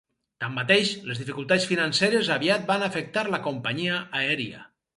Tanmateix, les dificultats financeres aviat van afectar la companyia aèria.